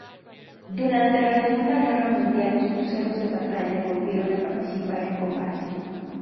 Durante la Segunda Guerra Mundial, los cruceros de batalla, volvieron a participar en combate.